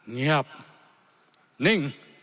เงียบนิ่ง